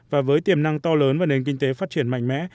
và với tiềm năng to lớn và nền kinh tế phát triển mạnh mẽ